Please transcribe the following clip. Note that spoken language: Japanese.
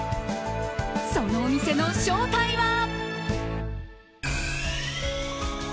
そのお店の正体は。